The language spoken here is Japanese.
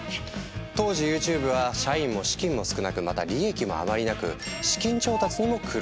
当時ＹｏｕＴｕｂｅは社員も資金も少なくまた利益もあまりなく資金調達にも苦労。